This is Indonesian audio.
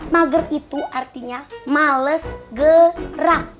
mager itu artinya males gerak